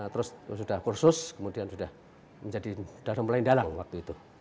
terus sudah kursus kemudian sudah mulai dalang waktu itu